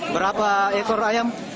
berapa ekor ayam